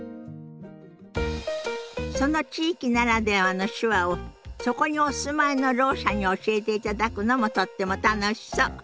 その地域ならではの手話をそこにお住まいのろう者に教えていただくのもとっても楽しそう。